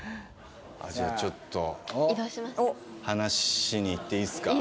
じゃあちょっと話しに行っていいですか？